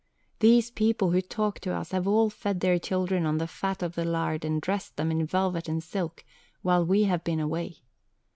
These people who talk to us have all fed their children on the fat of the land and dressed them in velvet and silk, while we have been away.